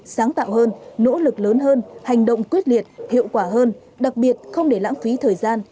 sáng tạo hơn nỗ lực lớn hơn hành động quyết liệt hiệu quả hơn đặc biệt không để lãng phí thời gian